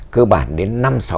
cơ bản đến năm sáu mươi